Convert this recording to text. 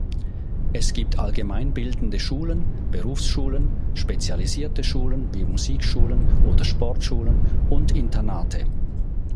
Es gibt allgemeinbildende Schulen, Berufsschulen, spezialisierte Schulen wie Musikschulen oder Sportschulen, und Internate.